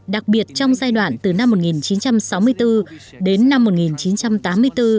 đặc biệt trong giai đoạn từ năm một nghìn chín trăm sáu mươi bốn đến năm một nghìn chín trăm tám mươi bốn